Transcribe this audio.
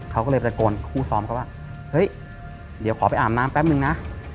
เขาก็เลยตะโกนคู่ซ้อมเขาว่าเฮ้ยเดี๋ยวขอไปอาบน้ำแป๊บนึงนะ